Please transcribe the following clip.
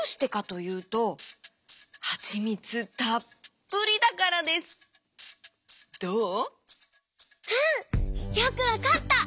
うん！よくわかった！